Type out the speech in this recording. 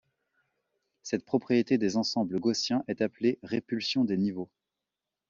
Cette propriété des ensembles gaussiens est appelée répulsion des niveaux.